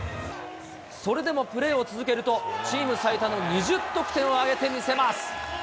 それでもプレーを続けると、チーム最多の２０得点を挙げてみせます。